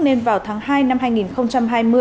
nên vào tháng hai năm hai nghìn hai mươi